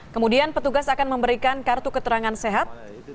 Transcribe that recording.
kemudian petugas akan memberikan kartu keterangan sehat